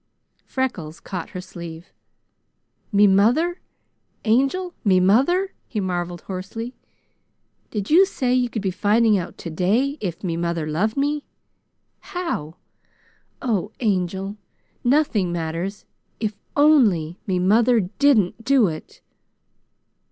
Freckles caught her sleeve. "Me mother, Angel! Me mother!" he marveled hoarsely. "Did you say you could be finding out today if me mother loved me? How? Oh, Angel! Nothing matters, IF ONLY ME MOTHER DIDN'T DO IT!"